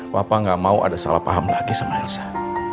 bapak gak mau ada salah paham lagi sama elsa